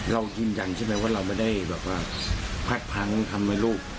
เรากินจังใช่ไหมว่าเราไม่ได้พลังทำลูก